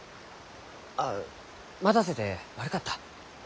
あ待たせて悪かった。